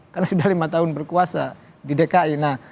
karena sudah lima tahun berkuasa di dki